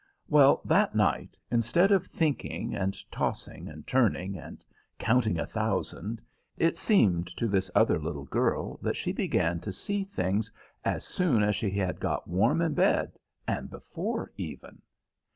Well, that night, instead of thinking and tossing and turning, and counting a thousand, it seemed to this other little girl that she began to see things as soon as she had got warm in bed, and before, even.